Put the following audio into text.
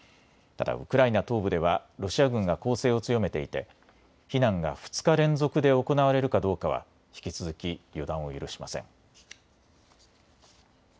ただウクライナ東部ではロシア軍が攻勢を強めていて避難が２日連続で行われるかどうかは引き続き予断を許しません。